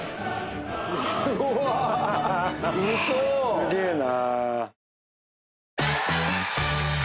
すげえな。